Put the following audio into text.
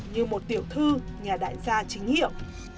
như một tiểu thư nhà đại gia chính hiệu